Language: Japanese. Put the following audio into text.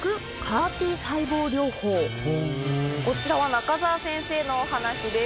こちらは中沢先生のお話です。